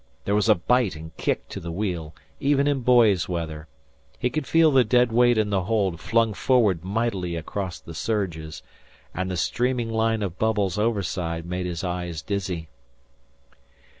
There was a bite and kick to the wheel even in "boy's" weather; he could feel the dead weight in the hold flung forward mightily across the surges, and the streaming line of bubbles overside made his eyes dizzy.